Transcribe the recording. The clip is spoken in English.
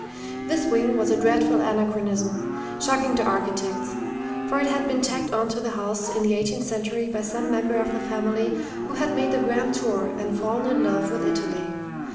This wing was a dreadful anachronism, shocking to architects, for it had been tacked on to the house in the eighteenth century by some member of the family who had made the "grand tour" and fallen in love with Italy.